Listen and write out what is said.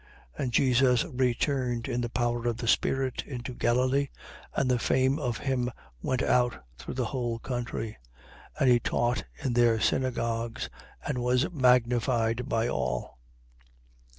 4:14. And Jesus returned in the power of the spirit, into Galilee: and the fame of him went out through the whole country. 4:15. And he taught in their synagogues and was magnified by all.